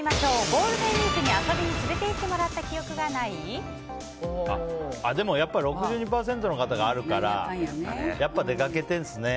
ゴールデンウィークに遊びに連れて行ってもらったでもやっぱ６２％の方があるからやっぱ出かけてるんですね。